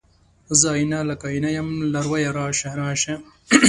زه آئينه، لکه آئینه یم لارویه راشه، راشه